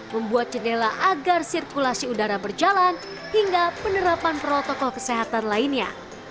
membuat jendela agar sirkulasi udara berjalan hingga penerapan protokol kesehatan lainnya